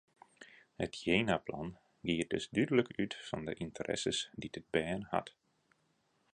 It jenaplan giet dus dúdlik út fan de ynteresses dy't it bern hat.